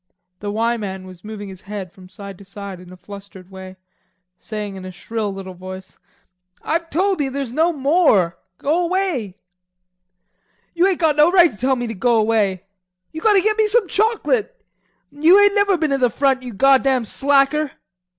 The "Y" man was moving his head from side to side in a flustered way, saying in a shrill little voice: "I've told you there's no more. Go away!" "You ain't got no right to tell me to go away. You got to get me some chocolate. You ain't never been at the front, you goddam slacker."